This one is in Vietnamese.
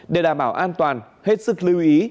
để đảm bảo an toàn hết sức lưu ý